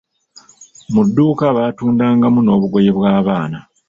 Mu dduuka baatundangamu n'obugoye bw'abaana.